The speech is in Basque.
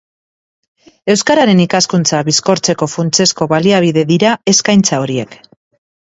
Euskararen ikaskuntza bizkortzeko funtsezko baliabide dira eskaintza horiek.